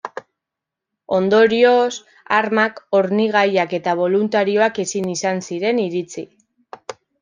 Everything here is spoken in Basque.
Ondorioz, armak, hornigaiak eta boluntarioak ezin izan ziren iritsi.